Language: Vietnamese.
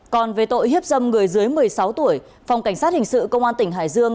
còn về tội hiếp dâm người dưới một mươi sáu tuổi phòng cảnh sát hình sự công an tỉnh hải dương